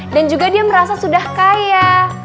dan juga dia merasa sudah kaya